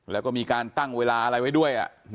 แล้วก็มีการตั้งเวลาอะไรไว้ด้วย